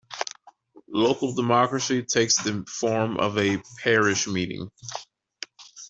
Local democracy takes the form of a Parish Meeting.